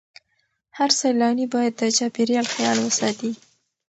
هر سیلانی باید د چاپیریال خیال وساتي.